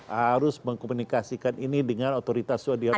harus mengkomunikasikan ini dengan otoritas swadhi arabia